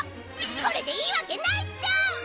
これでいいわけないっトン！